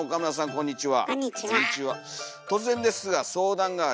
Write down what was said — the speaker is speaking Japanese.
こんにちは。